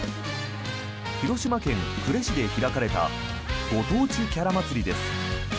広島県呉市で開かれたご当地キャラ祭です。